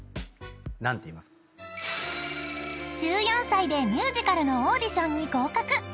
［１４歳でミュージカルのオーディションに合格］